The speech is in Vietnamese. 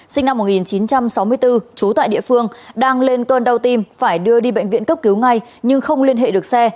sinh năm một nghìn chín trăm sáu mươi bốn trú tại địa phương đang lên cơn đau tim phải đưa đi bệnh viện cấp cứu ngay nhưng không liên hệ được xe